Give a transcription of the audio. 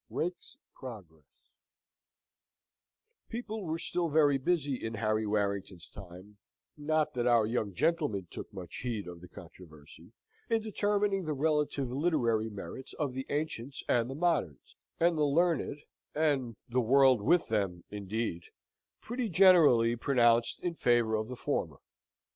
Rake's Progress People were still very busy in Harry Warrington's time (not that our young gentleman took much heed of the controversy) in determining the relative literary merits of the ancients and the moderns; and the learned, and the world with them, indeed, pretty generally pronounced in favour of the former.